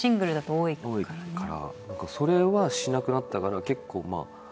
多いからそれはしなくなったから結構まあ。